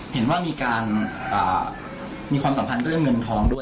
เห็นว่ามีการมีความสัมพันธ์เรื่องเงินทองด้วย